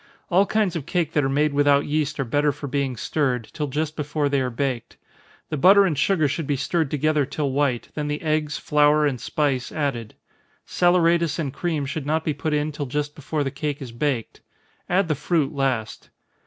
All kinds of cake that are made without yeast are better for being stirred, till just before they are baked. The butter and sugar should be stirred together till white, then the eggs, flour, and spice, added. Saleratus and cream should not be put in till just before the cake is baked add the fruit last.